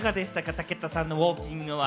武田さんのウオーキングは。